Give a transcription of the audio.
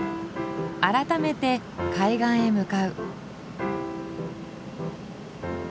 改めて海岸へ向かう。